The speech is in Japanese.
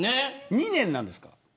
２年なんですか。